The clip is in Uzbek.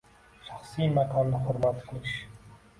Shaxsiy makonni hurmat qilish.